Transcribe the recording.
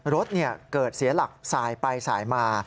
รถเกิดเสียหลักสายไปสายมา